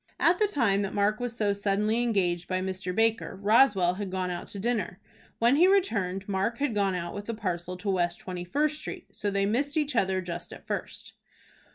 At the time that Mark was so suddenly engaged by Mr. Baker, Roswell had gone out to dinner. When he returned, Mark had gone out with the parcel to West Twenty first Street. So they missed each other just at first.